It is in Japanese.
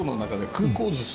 空港寿司？